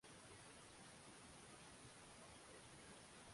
ee nitoka miaka mingapi unafanya kazi hii